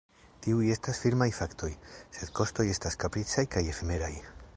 Tiuj estas firmaj faktoj, sed kostoj estas kapricaj kaj efemeraj.